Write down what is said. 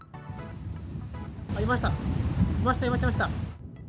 いました、いました、いました。